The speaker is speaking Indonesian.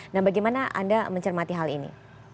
nah bagaimana anda mencermati hal ini